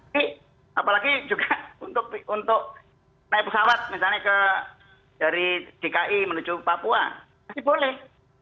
jadi apalagi juga untuk naik pesawat misalnya ke dari dki menuju papua masih boleh